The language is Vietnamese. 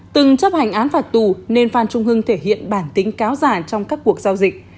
từng chấp hành án phạt tù nên phan trung hưng thể hiện bản tính kéo dài trong các cuộc giao dịch